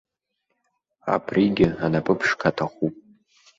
Абригьы анапы ԥшқа аҭахуп.